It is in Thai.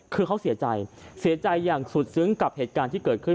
คือเขาเสียใจเสียใจอย่างสุดซึ้งกับเหตุการณ์ที่เกิดขึ้น